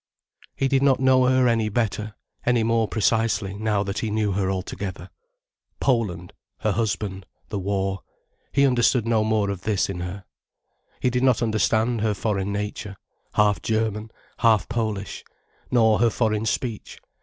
He did not know her any better, any more precisely, now that he knew her altogether. Poland, her husband, the war—he understood no more of this in her. He did not understand her foreign nature, half German, half Polish, nor her foreign speech.